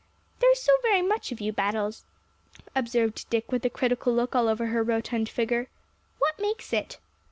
"There's so very much of you, Battles," observed Dick with a critical look all over her rotund figure. "What makes it?"